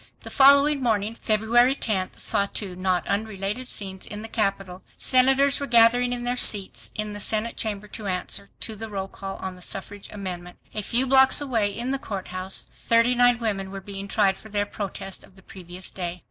The following morning, February 10th, saw two not unrelated scenes in the capital. Senators were gathering in their seats in the senate chamber to answer. to the roll call on the suffrage amendment. A few blocks away in the courthouse, thirty nine women were being tried for their protest of the previous day.